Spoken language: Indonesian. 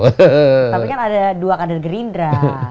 tapi kan ada dua kader gerindra